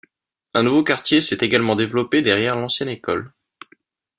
Un nouveau quartier s'est également développé derrière l'ancienne école.